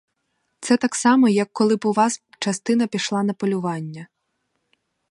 Це так само, як коли б у вас частина пішла на полювання.